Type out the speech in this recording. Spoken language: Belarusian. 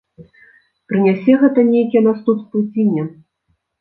Прынясе гэта нейкія наступствы ці не.